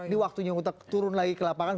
ini waktunya untuk turun lagi ke lapangan